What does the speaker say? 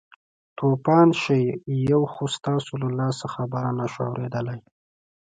توپان شئ یو خو ستاسو له لاسه خبره نه شوو اورېدلی.